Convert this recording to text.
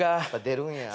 出るんや。